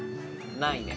ないね。